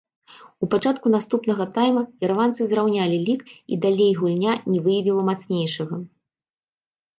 У пачатку наступнага тайма ірландцы зраўнялі лік і далей гульня не выявіла мацнейшага.